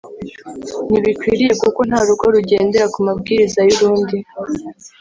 ntibikwiriye kuko nta rugo rugendera ku mabwiriza y’urundi